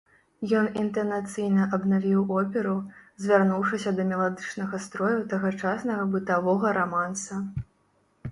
Ён інтанацыйна абнавіў оперу, звярнуўшыся да меладычнага строю тагачаснага бытавога раманса.